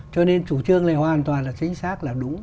cho nên chủ trương này hoàn toàn là chính xác là đúng